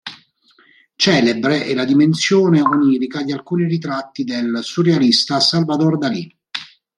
Celebre è la dimensione onirica di alcuni ritratti del surrealista Salvador Dalí.